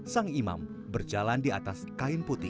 sang imam berjalan di atas kain putih